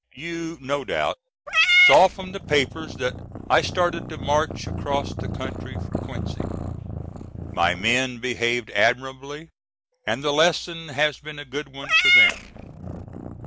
You no doubt saw from the papers that I started to march across the country for Quincy. My men behaved admirably, and the lesson has been a good one for them.